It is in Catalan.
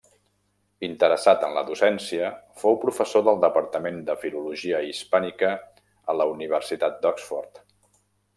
Interessat en la docència, fou professor del departament de Filologia hispànica a la Universitat d'Oxford.